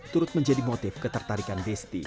turut menjadi motif ketertarikan desti